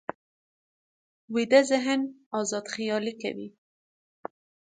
ویده ذهن ازاد خیالي کوي